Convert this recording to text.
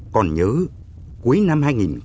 còn nhớ cuối năm hai nghìn một mươi năm